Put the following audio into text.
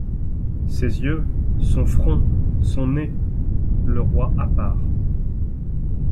Ses yeux! — son front !— son nez !...— Le Roi, à part.